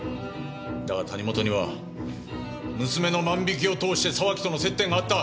だが谷本には娘の万引きを通して沢木との接点があった。